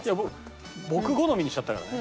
僕好みにしちゃったからね。